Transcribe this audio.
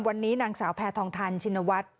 วันนี้นางสาวแพทองทันชินวัฒน์